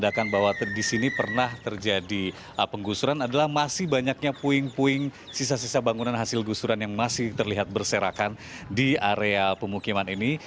saya mengatakan bahwa disini pernah terjadi penggusuran adalah masih banyaknya puing puing sisa sisa bangunan hasil gusuran yang masih terlihat berserakan di area pemukiman ini